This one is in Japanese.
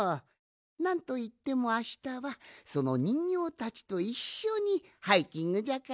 なんといってもあしたはそのにんぎょうたちといっしょにハイキングじゃからな。